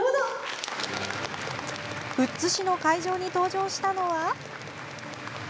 富津市の会場に登場したのは。